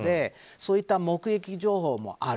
そういった目撃情報もある。